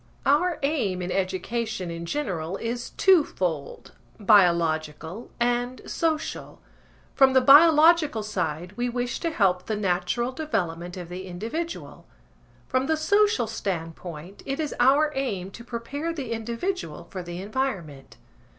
Our aim in education in general is two fold, biological and social. From the biological side we wish to help the natural development of the individual, from the social standpoint it is our aim to prepare the individual for the environment.